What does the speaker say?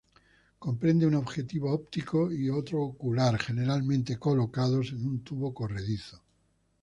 Comprende un objetivo óptico y otro ocular, generalmente colocados en un tubo corredizo.